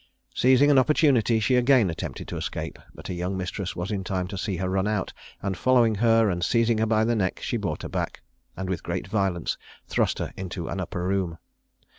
Seizing an opportunity, she again attempted to escape; but her young mistress was in time to see her run out, and, following her and seizing her by the neck, she brought her back, and with great violence thrust her into an upper room.